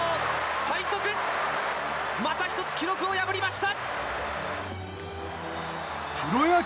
また１つ記録を破りました。